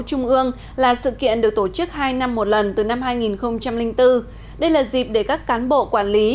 trung ương là sự kiện được tổ chức hai năm một lần từ năm hai nghìn bốn đây là dịp để các cán bộ quản lý